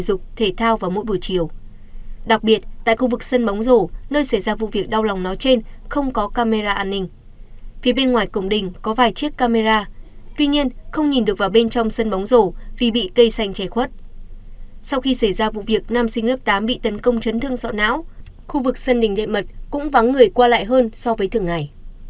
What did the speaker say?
sau khi xảy ra vụ việc nam sinh lớp tám bị tấn công chấn thương sọ não khu vực sân đình đệ mật cũng vắng người qua lại hơn so với thường ngày